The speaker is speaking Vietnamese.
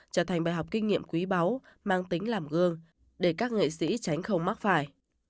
trở thành bài học kinh nghiệm quý báu mang tính làm gương để các nghệ sĩ tránh không mắc phải